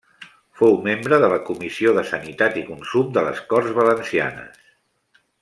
Fou membre de la Comissió de Sanitat i Consum de les Corts Valencianes.